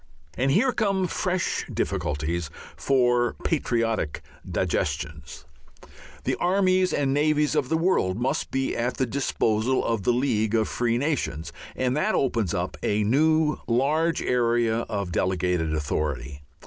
And here come fresh difficulties for patriotic digestions. The armies and navies of the world must be at the disposal of the League of Free Nations, and that opens up a new large area of delegated authority.